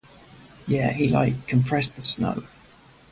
Yeah, he like, compressed the snow